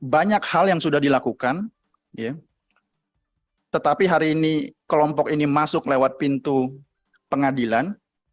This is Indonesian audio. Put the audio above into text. banyak hal yang sudah dilakukan tetapi hari ini kelompok ini masuk lewat pintu pengadilan